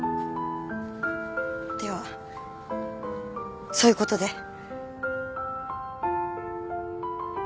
ではそういうことで。